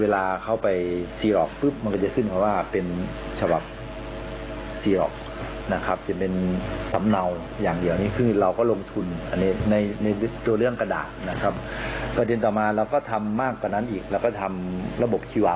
แล้วก็ทำเรียบร้อยแล้ว